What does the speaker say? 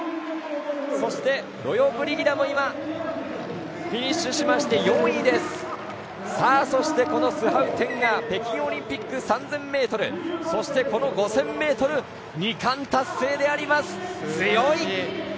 そしてロヨブリギダも今フィニッシュしまして４位です、そしてこのスハウテンが北京オリンピック３０００ｍそして、５０００ｍ２冠、達成であります！